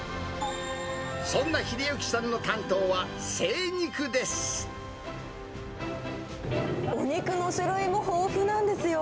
そんな英之さんの担当は精肉お肉の種類も豊富なんですよ。